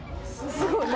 すごい。